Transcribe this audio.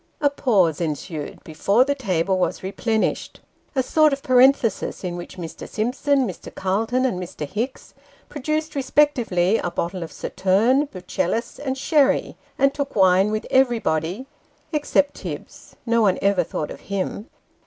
A pause ensued, before the table was replenished a sort of parenthesis in which Mr. Simpson, Mr. Calton, and Mr. Hicks, pro duced respectively a bottle of sauterne, bucellas, and sherry, and took wine with everybody except Tibbs. No one ever thought of him.